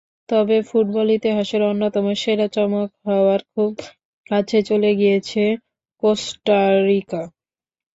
তবে ফুটবল ইতিহাসের অন্যতম সেরা চমক হওয়ার খুব কাছে চলে গিয়েছিল কোস্টারিকা।